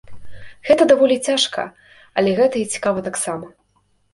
Гэта даволі цяжка, але гэта і цікава таксама.